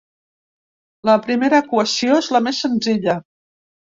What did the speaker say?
La primera equació és la més senzilla.